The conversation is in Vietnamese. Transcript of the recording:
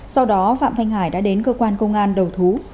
sau đó phạm thanh hải đã đến cơ quan công an đầu thú